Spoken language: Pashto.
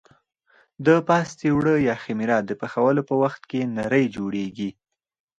د پاستي اوړه یا خمېره د پخولو په وخت کې نرۍ جوړېږي.